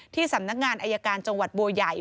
สำนักงานอายการจังหวัดบัวใหญ่